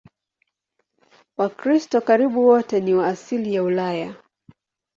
Wakristo karibu wote ni wa asili ya Ulaya.